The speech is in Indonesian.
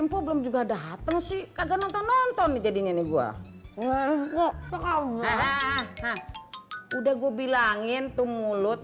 lu belum juga ada hati sih kagak nonton nonton jadinya nih gua udah gua bilangin tuh mulut